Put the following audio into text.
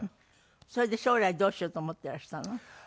それで将来どうしようと思ってらしたの？